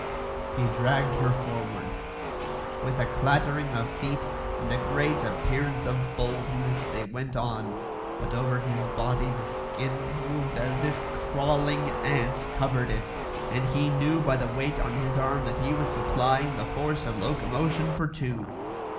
He dragged her forward. With a clattering of feet and a great appearance of boldness they went on, but over his body the skin moved as if crawling ants covered it, and he knew by the weight on his arm that he was supplying the force of locomotion for two.